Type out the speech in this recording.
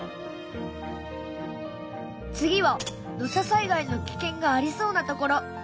次は土砂災害の危険がありそうな所。